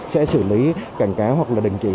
sẽ xử lý cảnh cáo hoặc là đình chỉ